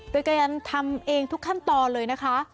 โดยการันทำเองทุกขั้นตอนเลยนะคะ